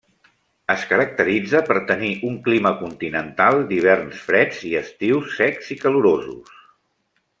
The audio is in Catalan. Es caracteritza per tenir un clima continental d'hiverns freds i estius secs i calorosos.